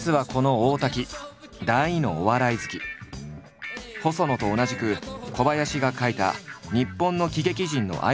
細野と同じく小林が書いた「日本の喜劇人」の愛読者だった。